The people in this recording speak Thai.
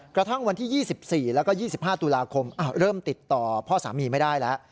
กระทั่งวันที่๒๔แล้วก็๒๕ตุลาคมเริ่มติดต่อพ่อสามีไม่ได้แล้ว